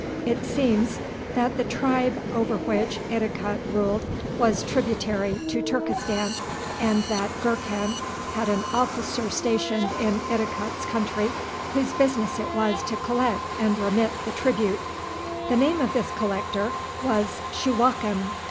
It seems that the tribe over which Idikut ruled was tributary to Turkestan, and that Gurkhan had an officer stationed in Idikut's country whose business it was to collect and remit the tribute. The name of this collector was Shuwakem.